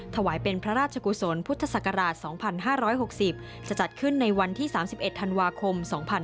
ถวายเป็นพระราชกุศลพุทธศักราช๒๕๖๐จะจัดขึ้นในวันที่๓๑ธันวาคม๒๕๖๒